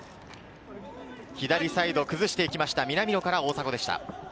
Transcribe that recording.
左サイド崩していきました、南野から大迫でした。